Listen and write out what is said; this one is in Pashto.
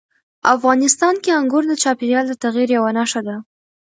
افغانستان کې انګور د چاپېریال د تغیر یوه نښه ده.